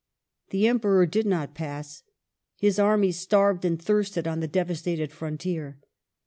The Emperor did not pass. His armies starved and thirsted on the devastated frontier.